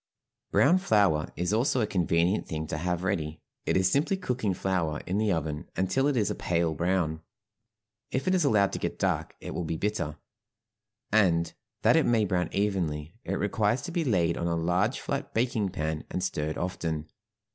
Brown flour is also a convenient thing to have ready; it is simply cooking flour in the oven until it is a pale brown; if it is allowed to get dark it will be bitter, and, that it may brown evenly, it requires to be laid on a large flat baking pan and stirred often.